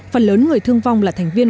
phần lớn người thương vong là thành viên